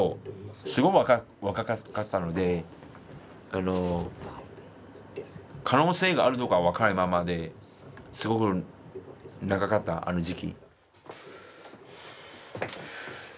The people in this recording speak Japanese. すごい若かったので可能性があるのが分かるまですごく長かったあの時期。